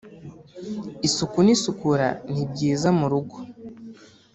isuku n isukura ni byiza murugo